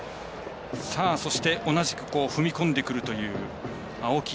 そして、同じく踏み込んでくるという青木。